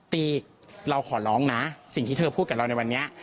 ตีเราขอร้องนะสิ่งที่เธอพูดกับเราในวันนี้